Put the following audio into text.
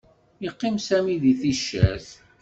Yeqqim Sami deg ticcert